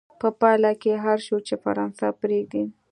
په پایله کې اړ شو چې فرانسه پرېږدي.